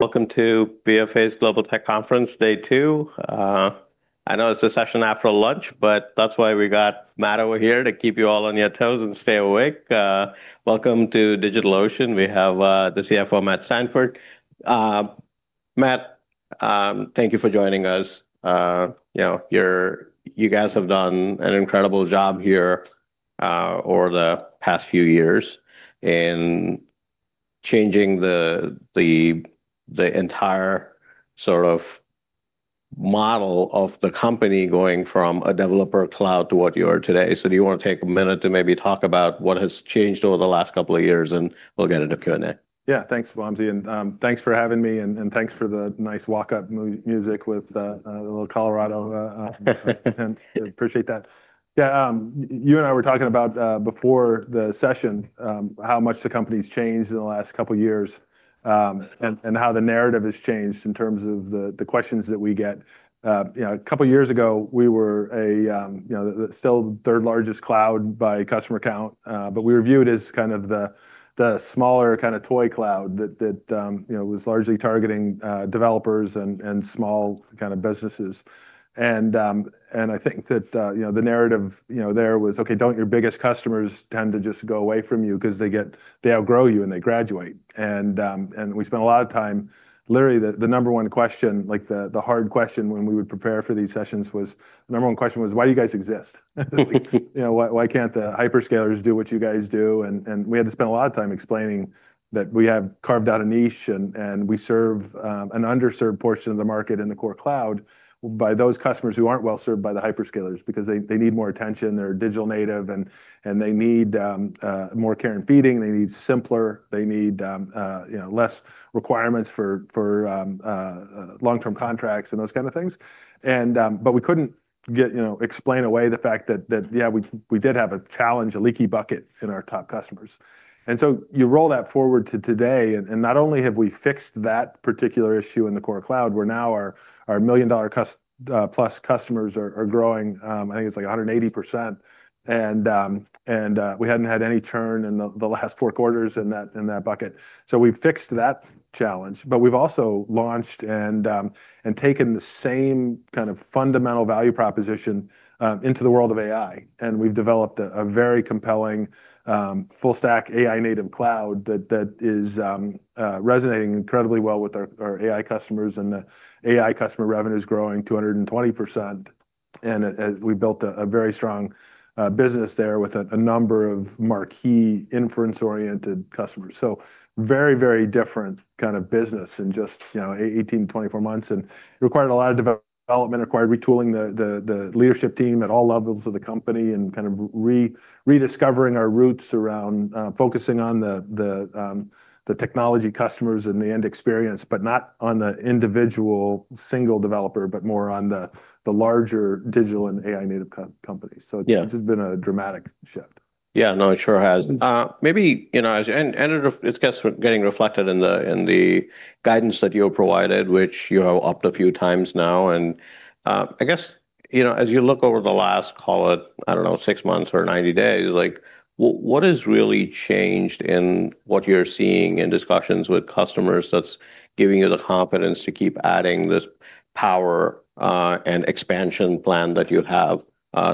Welcome to BofA's Global Tech Conference, day two. I know it's the session after lunch, but that's why we got Matt over here, to keep you all on your toes and stay awake. Welcome to DigitalOcean. We have the CFO, Matt Steinfort. Matt, thank you for joining us. You guys have done an incredible job here over the past few years in changing the entire model of the company, going from a developer cloud to what you are today. Do you want to take a minute to maybe talk about what has changed over the last couple of years, and we'll get into Q&A. Yeah. Thanks, Wamsi, and thanks for having me, and thanks for the nice walk-up music with a little Colorado. Appreciate that. Yeah. You and I were talking about, before the session, how much the company's changed in the last couple of years, and how the narrative has changed in terms of the questions that we get. A couple of years ago, we were still the third largest cloud by customer count, but we were viewed as the smaller toy cloud that was largely targeting developers and small businesses. I think that the narrative there was, okay, don't your biggest customers tend to just go away from you because they outgrow you and they graduate? We spent a lot of time. Literally, the number one question, the hard question when we would prepare for these sessions was, "Why do you guys exist?" "Why can't the hyperscalers do what you guys do?" We had to spend a lot of time explaining that we have carved out a niche, and we serve an underserved portion of the market in the core cloud by those customers who aren't well-served by the hyperscalers because they need more attention, they're digital native, and they need more care and feeding. They need simpler. They need less requirements for long-term contracts and those kind of things. We couldn't explain away the fact that, yeah, we did have a challenge, a leaky bucket in our top customers. You roll that forward to today, not only have we fixed that particular issue in the core cloud, where now our $1 million-plus customers are growing, I think it's like 180%, we hadn't had any churn in the last four quarters in that bucket. We've also launched and taken the same fundamental value proposition into the world of AI, we've developed a very compelling full stack AI native cloud that is resonating incredibly well with our AI customers, the AI customer revenue is growing 220%. We built a very strong business there with a number of marquee inference-oriented customers. Very different business in just 18-24 months. It required a lot of development, required retooling the leadership team at all levels of the company, and rediscovering our roots around focusing on the technology customers and the end experience, but not on the individual single developer, but more on the larger digital and AI native companies. Yeah. This has been a dramatic shift. Yeah. No, it sure has. It's getting reflected in the guidance that you have provided, which you have upped a few times now. I guess, as you look over the last, call it, I don't know, six months or 90 days, what has really changed in what you're seeing in discussions with customers that's giving you the confidence to keep adding this power, and expansion plan that you have,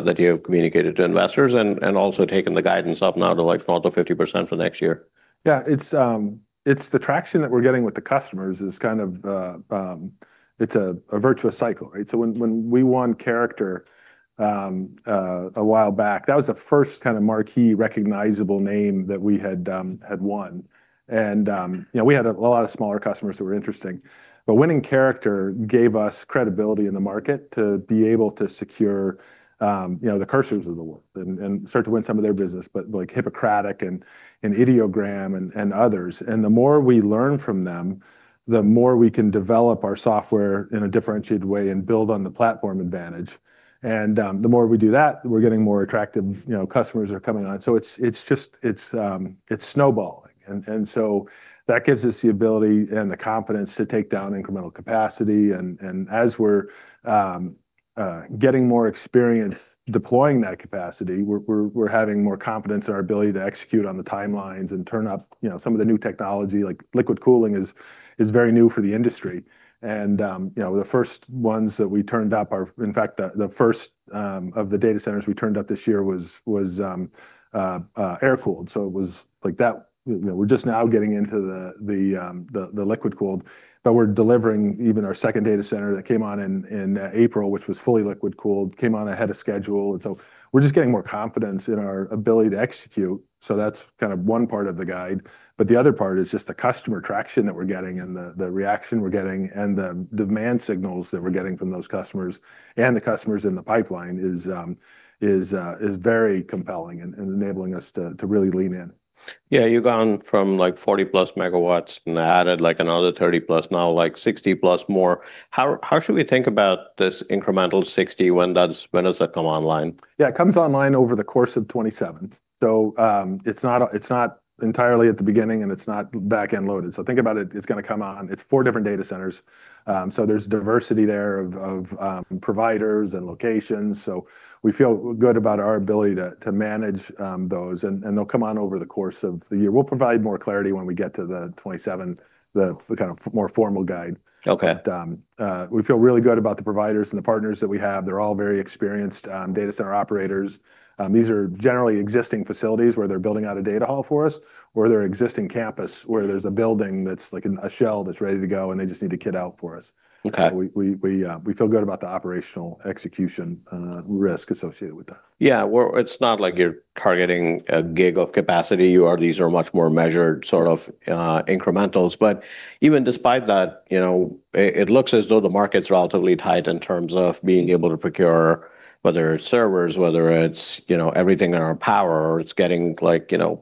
that you have communicated to investors, and also taken the guidance up now to 40%-50% for next year? Yeah. It's the traction that we're getting with the customers is, it's a virtuous cycle, right? When we won Character a while back, that was the first marquee recognizable name that we had won. We had a lot of smaller customers who were interesting. Winning Character gave us credibility in the market to be able to secure the Cursors of the world, and start to win some of their business, but like Hippocratic and Ideogram and others. The more we learn from them, the more we can develop our software in a differentiated way and build on the platform advantage. The more we do that, we're getting more attractive customers are coming on. It's snowballing. That gives us the ability and the confidence to take down incremental capacity. As we're getting more experience deploying that capacity, we're having more confidence in our ability to execute on the timelines and turn up some of the new technology, like liquid cooling is very new for the industry. The first ones that we turned up are, in fact, the first of the data centers we turned up this year was air-cooled. We're just now getting into the liquid cooling, but we're delivering even our second data center that came on in April, which was fully liquid-cooled, came on ahead of schedule. We're just getting more confidence in our ability to execute, so that's one part of the guide. The other part is just the customer traction that we're getting and the reaction we're getting, and the demand signals that we're getting from those customers, and the customers in the pipeline is very compelling and enabling us to really lean in. Yeah, you've gone from 40-plus MW and added another 30+, now 60+ more. How should we think about this incremental 60, when does that come online? Yeah, it comes online over the course of 2027. It's not entirely at the beginning, and it's not back-end loaded. Think about it's going to come on, it's four different data centers, so there's diversity there of providers and locations. We feel good about our ability to manage those, and they'll come on over the course of the year. We'll provide more clarity when we get to the 2027, the more formal guide. Okay. We feel really good about the providers and the partners that we have. They're all very experienced data center operators. These are generally existing facilities where they're building out a data hall for us, or they're existing campus, where there's a building that's like a shell that's ready to go, and they just need to kit out for us. Okay. We feel good about the operational execution risk associated with that. Yeah. It's not like you're targeting a gig of capacity. These are much more measured sort of incrementals. Even despite that, it looks as though the market's relatively tight in terms of being able to procure, whether it's servers, whether it's everything in our power, or it's getting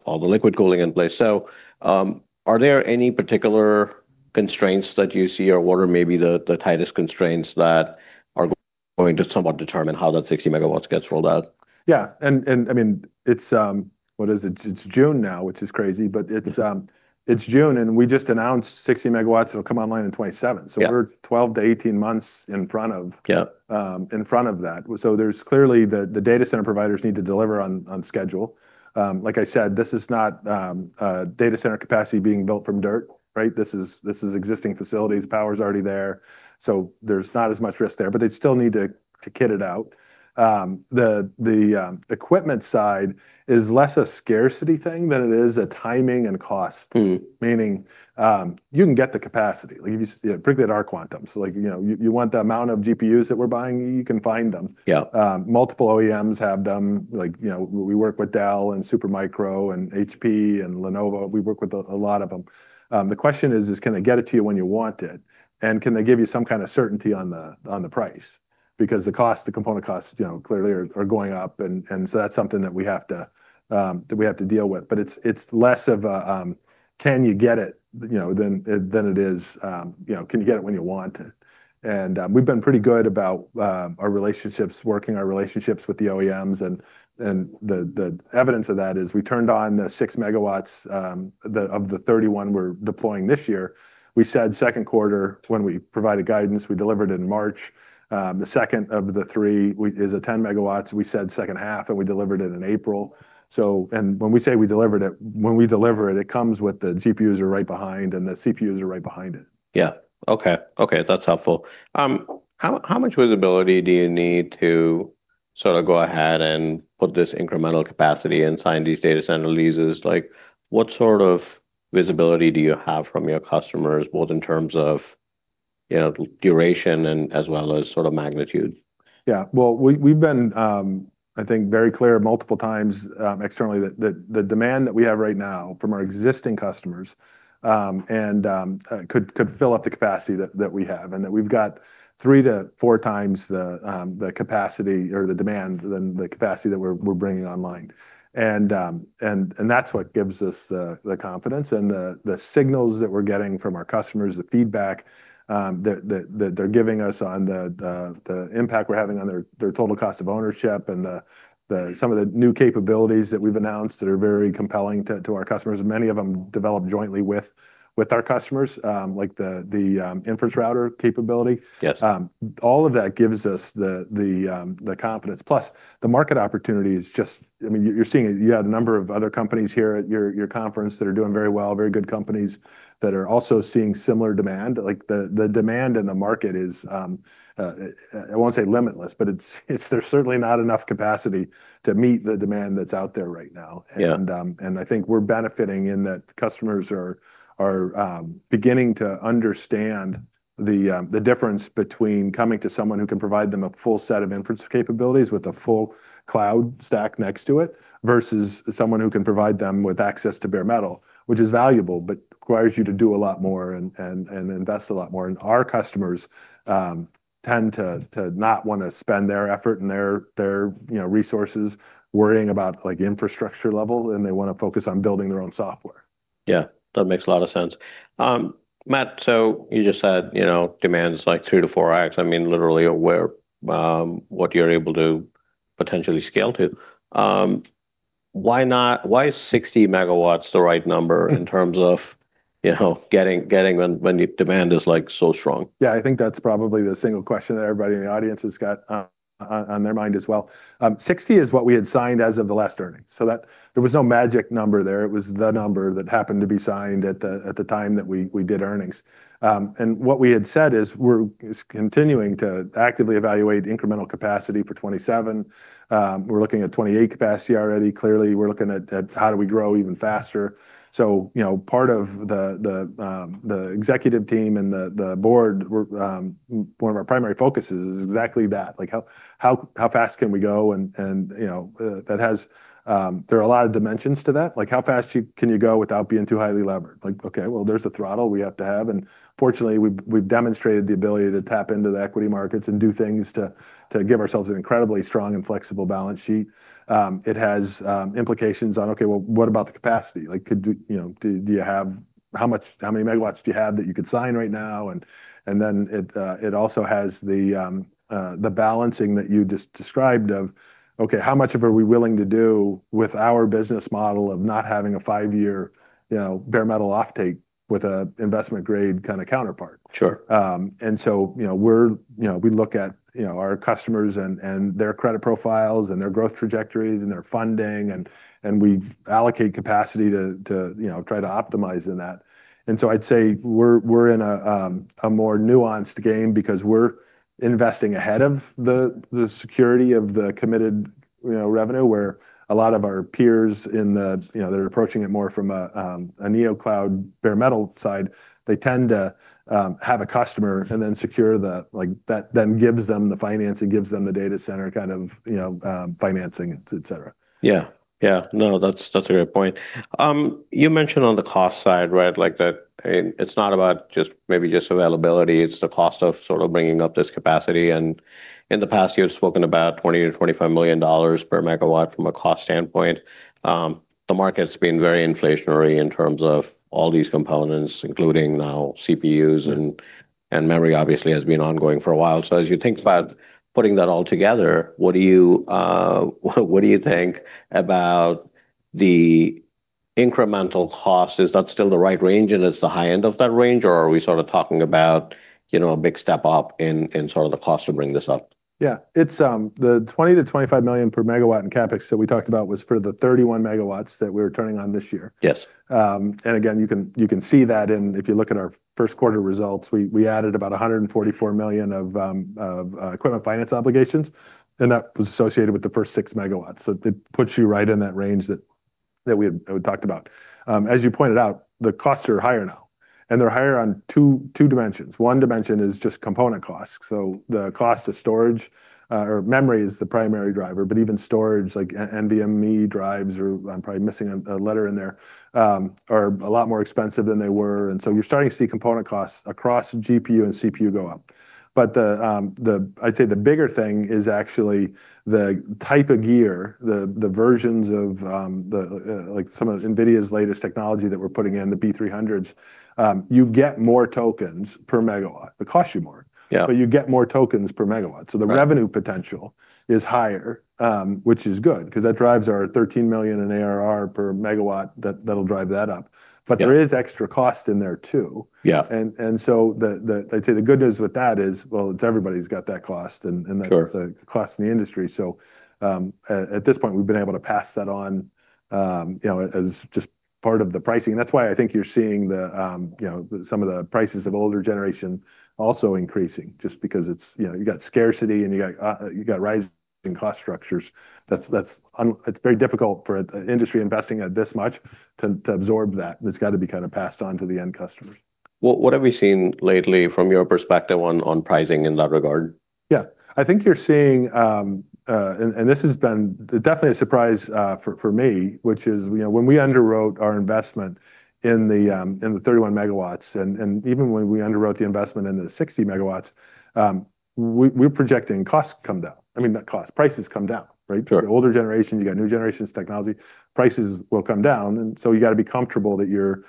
all the liquid cooling in place. Are there any particular constraints that you see, or what are maybe the tightest constraints that are going to somewhat determine how that 60 MW gets rolled out? Yeah. It's June now, which is crazy. It's June, and we just announced 60 megawatts that will come online in 2027. Yeah. We're 12-18 months. Yeah in front of that. Clearly, the data center providers need to deliver on schedule. Like I said, this is not data center capacity being built from dirt, right? This is existing facilities. Power's already there, so there's not as much risk there, but they still need to kit it out. The equipment side is less a scarcity thing than it is a timing and cost. You can get the capacity, particularly at our quantity. You want the amount of GPUs that we're buying, you can find them. Yeah. Multiple OEMs have them, like, we work with Dell, and Supermicro, and HPE, and Lenovo. We work with a lot of them. The question is: Can they get it to you when you want it, and can they give you some kind of certainty on the price? Because the component costs clearly are going up. That's something that we have to deal with. It's less of a can you get it than it is can you get it when you want it. We've been pretty good about our relationships, working our relationships with the OEMs, and the evidence of that is we turned on the 6 MW of the 31 MW we're deploying this year. We said second quarter when we provided guidance. We delivered in March. The second of the three is a 10 MW. We said second half, and we delivered it in April. When we say we delivered it, when we deliver it comes with the GPUs are right behind, and the CPUs are right behind it. Yeah. Okay. That's helpful. How much visibility do you need to go ahead and put this incremental capacity and sign these data center leases? What sort of visibility do you have from your customers, both in terms of duration and as well as magnitude? Well, we've been, I think, very clear multiple times externally that the demand that we have right now from our existing customers could fill up the capacity that we have, and that we've got three to four times the capacity or the demand than the capacity that we're bringing online. That's what gives us the confidence, and the signals that we're getting from our customers, the feedback that they're giving us on the impact we're having on their total cost of ownership, and some of the new capabilities that we've announced that are very compelling to our customers, many of them developed jointly with our customers, like the Inference Router capability. Yes. All of that gives us the confidence. Plus, the market opportunity is just You're seeing it. You have a number of other companies here at your conference that are doing very well, very good companies that are also seeing similar demand. Like, the demand in the market is, I won't say limitless, but there's certainly not enough capacity to meet the demand that's out there right now. Yeah. I think we're benefiting in that customers are beginning to understand the difference between coming to someone who can provide them a full set of inference capabilities with a full cloud stack next to it, versus someone who can provide them with access to bare metal, which is valuable but requires you to do a lot more and invest a lot more. Our customers tend to not want to spend their effort and their resources worrying about infrastructure level, and they want to focus on building their own software. Yeah, that makes a lot of sense. Matt, you just said demand's like 3x-4x, literally aware what you're able to potentially scale to. Why is 60 MW the right number in terms of getting when demand is so strong? Yeah, I think that's probably the single question that everybody in the audience has got on their mind as well. 60 MW is what we had signed as of the last earnings. There was no magic number there. It was the number that happened to be signed at the time that we did earnings. What we had said is we're continuing to actively evaluate incremental capacity for 2027. We're looking at 2028 capacity already. Clearly, we're looking at how do we grow even faster. Part of the executive team and the board, one of our primary focuses is exactly that. Like, how fast can we go? There are a lot of dimensions to that. Like, how fast can you go without being too highly levered? Like, okay, well, there's a throttle we have to have, and fortunately, we've demonstrated the ability to tap into the equity markets and do things to give ourselves an incredibly strong and flexible balance sheet. It has implications on, okay, well, what about the capacity? Like, how many megawatts do you have that you could sign right now? It also has the balancing that you just described of, okay, how much of it are we willing to do with our business model of not having a five-year bare metal offtake with a investment-grade kind of counterpart. Sure. We look at our customers and their credit profiles and their growth trajectories and their funding, and we allocate capacity to try to optimize in that. I'd say we're in a more nuanced game because we're investing ahead of the security of the committed revenue where a lot of our peers, they're approaching it more from a neocloud bare metal side. They tend to have a customer and then secure the, like that then gives them the finance and gives them the data center kind of financing, etc. Yeah. No, that's a great point. You mentioned on the cost side, right, like that it's not about just maybe just availability, it's the cost of sort of bringing up this capacity. In the past, you've spoken about $20 million-$25 million per megawatt from a cost standpoint. The market's been very inflationary in terms of all these components, including now CPUs and memory obviously has been ongoing for a while. As you think about putting that all together, what do you think about the incremental cost? Is that still the right range and it's the high end of that range, or are we sort of talking about a big step up in sort of the cost to bring this up? Yeah. It's the $20 million-$25 million per megawatt in CapEx that we talked about was for the 31 MW that we're turning on this year. Yes. Again, you can see that in, if you look at our first quarter results, we added about $144 million of equipment finance obligations, and that was associated with the first six megawatts. It puts you right in that range that we had talked about. As you pointed out, the costs are higher now, and they're higher on two dimensions. One dimension is just component costs. The cost of storage, or memory is the primary driver. Even storage, like NVMe drives, or I'm probably missing a letter in there, are a lot more expensive than they were. You're starting to see component costs across GPU and CPU go up. I'd say the bigger thing is actually the type of gear, the versions of some of NVIDIA's latest technology that we're putting in, the B300s. You get more tokens per megawatt. They cost you more. Yeah You get more tokens per megawatt. The revenue potential is higher, which is good because that drives our $13 million in ARR per megawatt, that'll drive that up. Yeah. There is extra cost in there, too. Yeah. I'd say the good news with that is, well, everybody's got that cost. Sure cost in the industry. At this point, we've been able to pass that on as just part of the pricing. That's why I think you're seeing some of the prices of older generation also increasing just because you've got scarcity and you've got rising cost structures. It's very difficult for an industry investing this much to absorb that. It's got to be kind of passed on to the end customers. What have you seen lately from your perspective on pricing in that regard? Yeah. I think you're seeing, and this has been definitely a surprise for me, which is when we underwrote our investment in the 31 megawatts, and even when we underwrote the investment into the 60 MW, we're projecting costs come down. I mean, not costs, prices come down, right? Sure. The older generations, you got new generations technology, prices will come down. You got to be comfortable that you're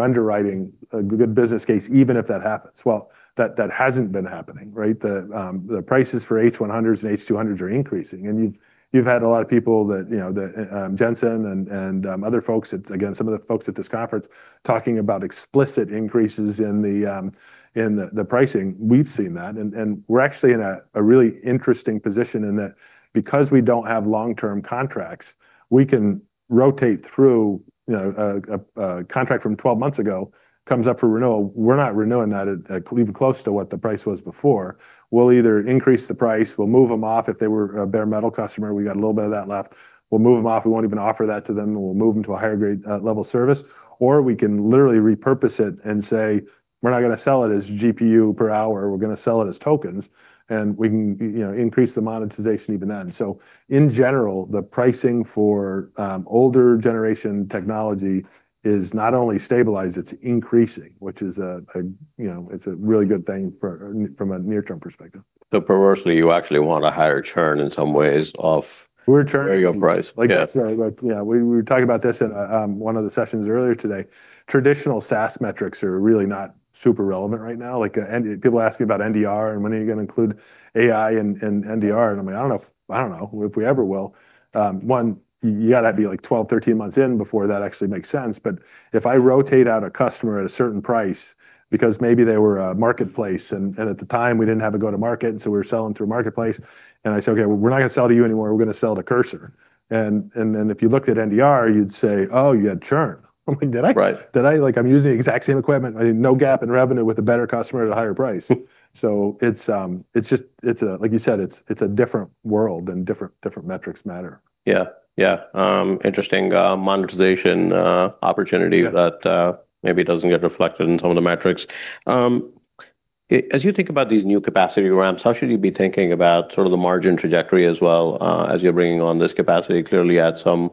underwriting a good business case, even if that happens. Well, that hasn't been happening, right? The prices for H100s and H200s are increasing. You've had a lot of people that, Jensen and other folks, again, some of the folks at this conference talking about explicit increases in the pricing. We've seen that, and we're actually in a really interesting position in that because we don't have long-term contracts, we can rotate through a contract from 12 months ago, comes up for renewal. We're not renewing that at even close to what the price was before. We'll either increase the price, we'll move them off if they were a bare metal customer, we got a little bit of that left. We'll move them off. We won't even offer that to them, and we'll move them to a higher grade level service. We can literally repurpose it and say, "We're not going to sell it as GPU per hour. We're going to sell it as tokens." We can increase the monetization even then. In general, the pricing for older generation technology is not only stabilized, it's increasing, which is a really good thing from a near-term perspective. Perversely, you actually want a higher churn in some ways. We're churning a higher price. Yeah. Yeah. We were talking about this in one of the sessions earlier today. Traditional SaaS metrics are really not super relevant right now. People ask me about NDR and when are you going to include AI and NDR, I mean, I don't know if we ever will. You got to be like 12, 13 months in before that actually makes sense. If I rotate out a customer at a certain price because maybe they were a marketplace, at the time, we didn't have a go to market, we were selling through marketplace, I say, "Okay, we're not going to sell to you anymore. We're going to sell to Cursor." If you looked at NDR, you'd say, "Oh, you had churn." I'm like, "Did I? Right. I'm using the exact same equipment. I had no gap in revenue with a better customer at a higher price." Like you said, it's a different world and different metrics matter. Yeah. Interesting monetization opportunity. Yeah that maybe doesn't get reflected in some of the metrics. As you think about these new capacity ramps, how should you be thinking about sort of the margin trajectory as well, as you're bringing on this capacity? Clearly you had some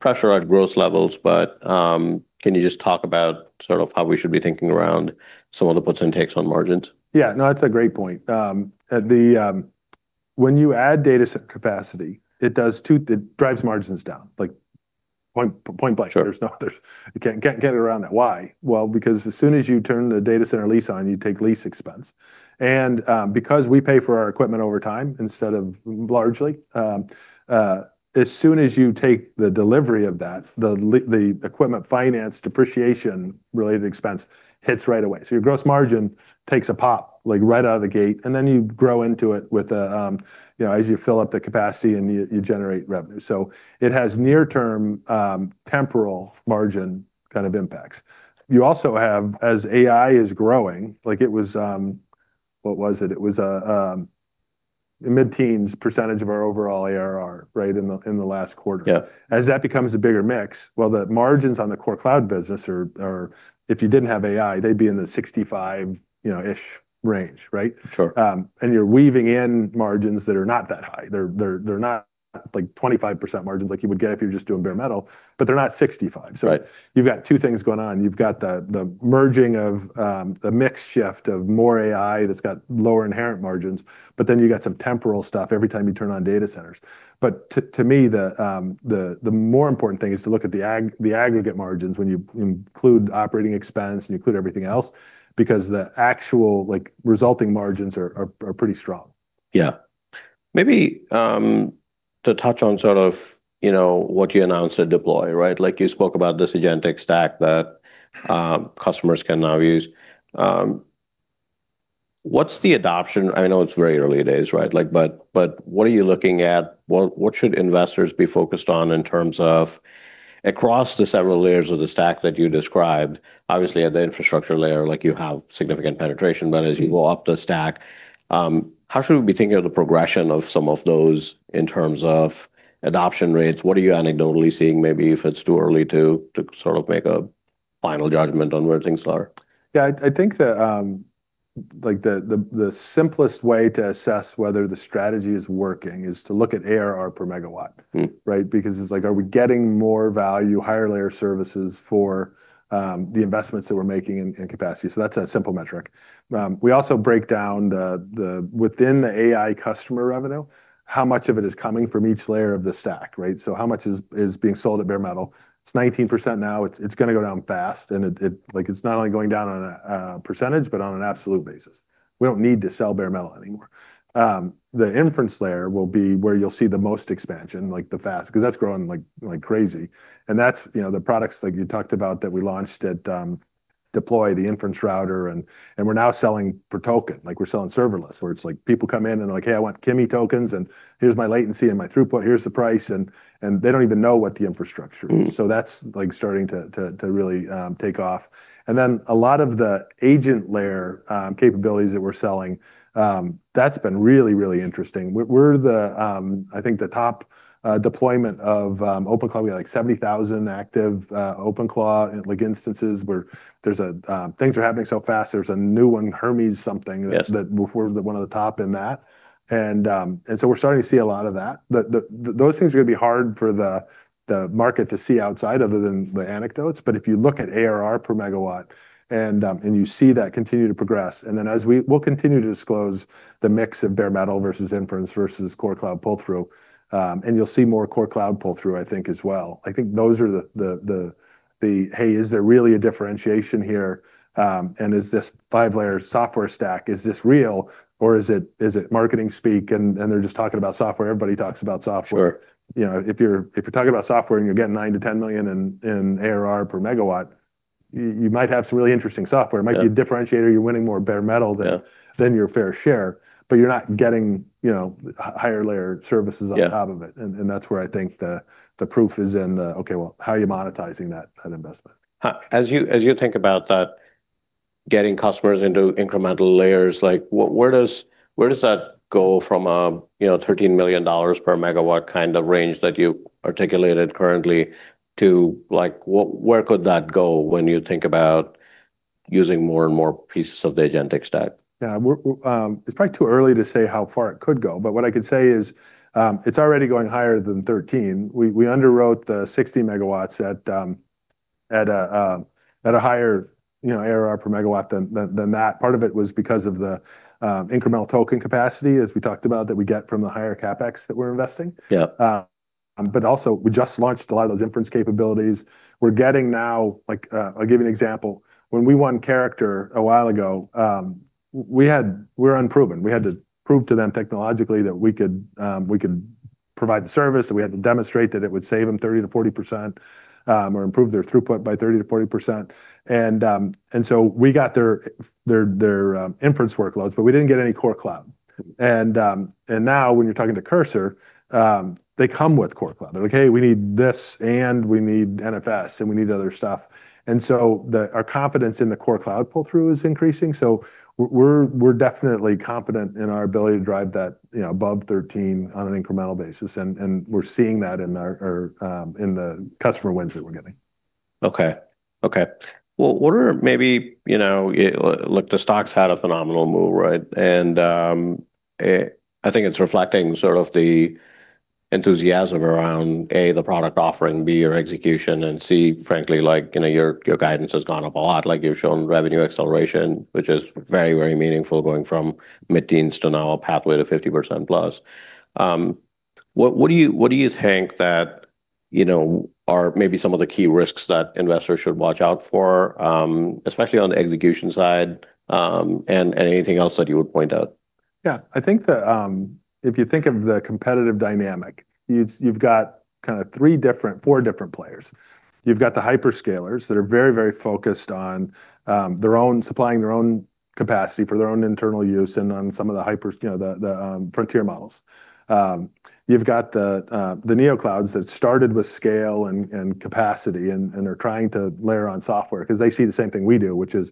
pressure at gross levels, but can you just talk about sort of how we should be thinking around some of the puts and takes on margins? Yeah. No, that's a great point. When you add data capacity, it drives margins down. Like, point blank. Sure. You can't get around that. Why? Well, because as soon as you turn the data center lease on, you take lease expense. Because we pay for our equipment over time, instead of largely, as soon as you take the delivery of that, the equipment finance depreciation-related expense hits right away. Your gross margin takes a pop right out of the gate, and then you grow into it as you fill up the capacity and you generate revenue. It has near-term, temporal margin kind of impacts. You also have, as AI is growing, it was, what was it? It was a mid-teens percentage of our overall ARR, right, in the last quarter. Yeah. As that becomes a bigger mix, well, the margins on the core cloud business are, if you didn't have AI, they'd be in the 65%-ish range. Right? Sure. You're weaving in margins that are not that high. They're not 25% margins like you would get if you were just doing bare metal, but they're not 65%. Right. You've got two things going on. You've got the merging of the mix shift of more AI that's got lower inherent margins, you've got some temporal stuff every time you turn on data centers. To me, the more important thing is to look at the aggregate margins when you include OpEx and you include everything else, because the actual resulting margins are pretty strong. Yeah. Maybe to touch on sort of what you announced at Deploy, right? You spoke about this agentic stack that customers can now use. What's the adoption? I know it's very early days, right? What are you looking at? What should investors be focused on in terms of across the several layers of the stack that you described, obviously at the infrastructure layer, you have significant penetration, but as you go up the stack, how should we be thinking of the progression of some of those in terms of adoption rates? What are you anecdotally seeing, maybe if it's too early to sort of make a final judgment on where things are? Yeah. I think that the simplest way to assess whether the strategy is working is to look at ARR per megawatt. Right? It's like, are we getting more value, higher layer services for the investments that we're making in capacity? That's a simple metric. We also break down within the AI customer revenue, how much of it is coming from each layer of the stack, right? How much is being sold at bare metal? It's 19% now. It's going to go down fast, it's not only going down on a percentage, but on an absolute basis. We don't need to sell bare metal anymore. The inference layer will be where you'll see the most expansion, because that's growing like crazy, that's the products like you talked about that we launched at Deploy, the Inference Router, we're now selling per token. We're selling serverless, where it's like people come in, and they're like, "Hey, I want Kimi tokens, and here's my latency and my throughput. Here's the price." They don't even know what the infrastructure is. That's starting to really take off. A lot of the agent layer capabilities that we're selling, that's been really, really interesting. We're the, I think, the top deployment of OpenClaw. We got like 70,000 active OpenClaw instances where things are happening so fast, there's a new one, Hermes. Yes that we're one of the top in that. We're starting to see a lot of that. Those things are going to be hard for the market to see outside, other than the anecdotes, if you look at ARR per megawatt, and you see that continue to progress, and then as we'll continue to disclose the mix of bare metal versus inference versus core cloud pull-through, and you'll see more core cloud pull-through, I think, as well. I think those are the, "Hey, is there really a differentiation here? Is this five-layer software stack, is this real or is it marketing speak and they're just talking about software?" Everybody talks about software. Sure. If you're talking about software and you're getting $9 million-$10 million in ARR per megawatt, you might have some really interesting software. Yeah. It might be a differentiator. You're winning more bare metal. Yeah than your fair share, but you're not getting higher layer services. Yeah on top of it, and that's where I think the proof is in the, "Okay, well, how are you monetizing that investment? As you think about that, getting customers into incremental layers, where does that go from a $13 million per megawatt kind of range that you articulated currently to where could that go when you think about using more and more pieces of the agentic stack? Yeah. It's probably too early to say how far it could go, but what I could say is it's already going higher than 13. We underwrote the 60 MW at a higher ARR per megawatt than that. Part of it was because of the incremental token capacity, as we talked about, that we get from the higher CapEx that we're investing. Yeah. Also, we just launched a lot of those inference capabilities. We're getting now, I'll give you an example. When we won Character.ai a while ago, we were unproven. We had to prove to them technologically that we could provide the service, that we had to demonstrate that it would save them 30%-40%, or improve their throughput by 30%-40%. We got their inference workloads, but we didn't get any core cloud. Now, when you're talking to Cursor, they come with core cloud. They're like, "Hey, we need this, and we need NFS, and we need other stuff." Our confidence in the core cloud pull-through is increasing, so we're definitely confident in our ability to drive that above 13 on an incremental basis, and we're seeing that in the customer wins that we're getting. Okay. Well, look, the stock's had a phenomenal move, right? I think it's reflecting sort of the enthusiasm around, A, the product offering, B, your execution, and C, frankly, your guidance has gone up a lot. You've shown revenue acceleration, which is very, very meaningful going from mid-teens to now a pathway to 50%+. What do you think are maybe some of the key risks that investors should watch out for, especially on the execution side, and anything else that you would point out? Yeah. I think that if you think of the competitive dynamic, you've got kind of four different players. You've got the hyperscalers that are very, very focused on supplying their own capacity for their own internal use and on some of the frontier models. You've got the neoclouds that started with scale and capacity and are trying to layer on software because they see the same thing we do, which is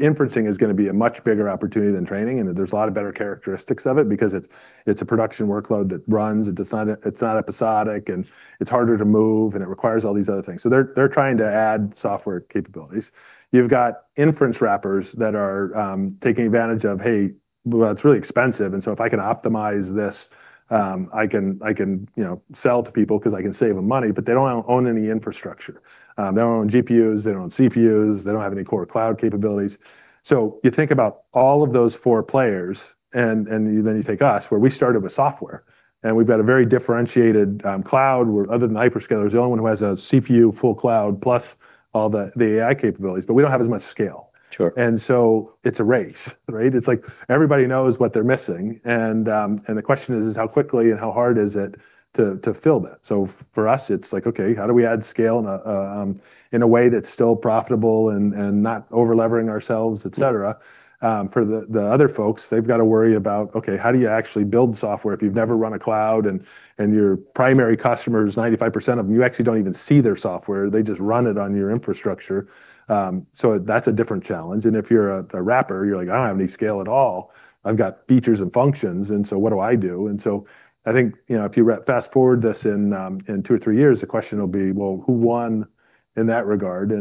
inferencing is going to be a much bigger opportunity than training, and there's a lot of better characteristics of it because it's a production workload that runs, it's not episodic and it's harder to move, and it requires all these other things. They're trying to add software capabilities. You've got inference wrappers that are taking advantage of, hey, well, it's really expensive, and so if I can optimize this, I can sell to people because I can save them money, but they don't own any infrastructure. They don't own GPUs, they don't own CPUs, they don't have any core cloud capabilities. You think about all of those four players, and then you take us, where we started with software, and we've got a very differentiated cloud, where other than hyperscalers, the only one who has a CPU full cloud plus all the AI capabilities, but we don't have as much scale. Sure. It's a race, right? It's like everybody knows what they're missing, and the question is how quickly and how hard is it to fill that. For us, it's like, okay, how do we add scale in a way that's still profitable and not over-leveraging ourselves, etc? For the other folks, they've got to worry about, okay, how do you actually build software if you've never run a cloud and your primary customer is 95% of them, you actually don't even see their software, they just run it on your infrastructure. That's a different challenge. If you're the wrapper, you're like, "I don't have any scale at all. I've got features and functions, what do I do?" I think, if you fast-forward this in two or three years, the question will be, well, who won in that regard?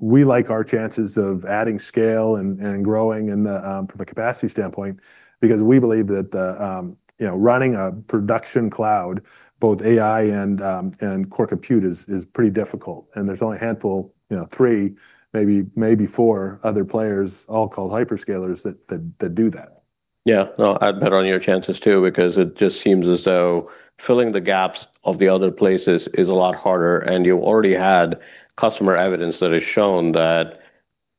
We like our chances of adding scale and growing from a capacity standpoint because we believe that running a production cloud, both AI and core compute, is pretty difficult. There's only a handful, three maybe four other players, all called hyperscalers, that do that. Yeah. No, I'd bet on your chances too, because it just seems as though filling the gaps of the other places is a lot harder, and you already had customer evidence that has shown that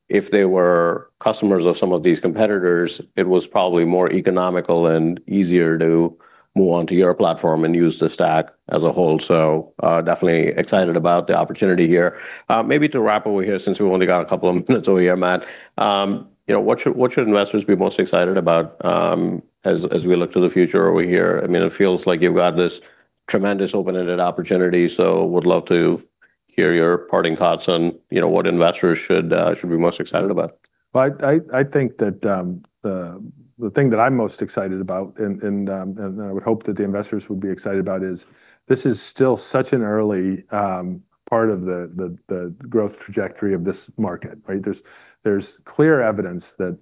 if they were customers of some of these competitors, it was probably more economical and easier to move on to your platform and use the stack as a whole. Definitely excited about the opportunity here. Maybe to wrap up here, since we've only got a couple of minutes over here, Matt. What should investors be most excited about as we look to the future over here? It feels like you've got this tremendous open-ended opportunity, would love to hear your parting thoughts on what investors should be most excited about. Well, I think that the thing that I'm most excited about, and I would hope that the investors would be excited about, is this is still such an early part of the growth trajectory of this market, right? There's clear evidence that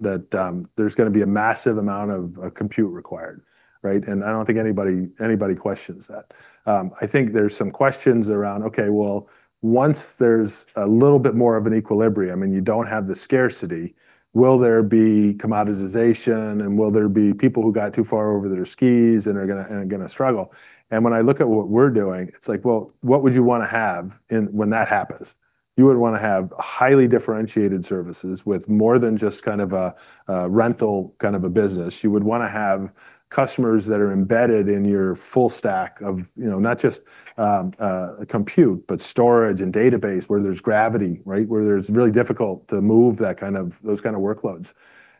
there's going to be a massive amount of compute required, right? I don't think anybody questions that. I think there's some questions around, okay, well, once there's a little bit more of an equilibrium and you don't have the scarcity, will there be commoditization and will there be people who got too far over their skis and are going to struggle? When I look at what we're doing, it's like, well, what would you want to have when that happens? You would want to have highly differentiated services with more than just a rental kind of a business. You would want to have customers that are embedded in your full stack of not just compute, but storage and database where there's gravity, right? Where it's really difficult to move those kind of workloads.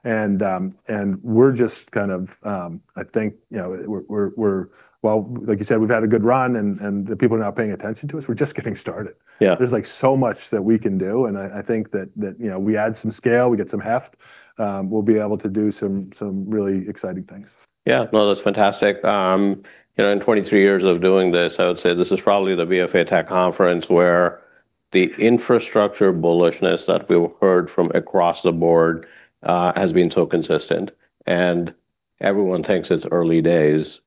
We're just, I think, well, like you said, we've had a good run and the people are now paying attention to us. We're just getting started. Yeah. There's so much that we can do, and I think that we add some scale, we get some heft, we'll be able to do some really exciting things. Yeah. No, that's fantastic. In 23 years of doing this, I would say this is probably the BofA Tech Conference where the infrastructure bullishness that we've heard from across the board has been so consistent. Everyone thinks it's early days,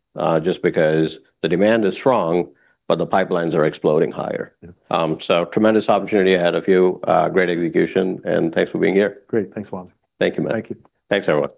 just because the demand is strong, but the pipelines are exploding higher. Yeah. Tremendous opportunity ahead of you. Great execution, and thanks for being here. Great. Thanks, Wam. Thank you, Matt. Thank you. Thanks, everyone.